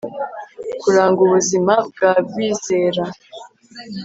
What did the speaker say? kuranga ubuzima bwa bizera